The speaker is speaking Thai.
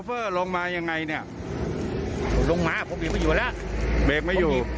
เบรกไม่อยู่